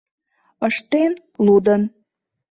Ыштен — лудын.